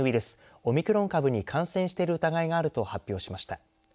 スオミクロン株に感染している疑いがあると発表しました。